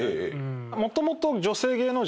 もともと。